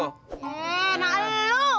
eh nakal lo